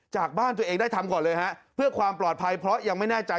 จากบ้านตัวเองได้ทำก่อนเลยฮะเพื่อความปลอดภัยเพราะยังไม่แน่ใจ